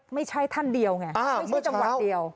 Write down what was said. ไม่ใช่ท่านเดียวไงไม่ใช่จังหวัดเดียว